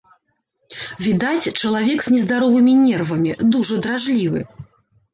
Відаць, чалавек з нездаровымі нервамі, дужа дражлівы.